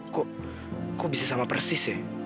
kok kok bisa sama persis ya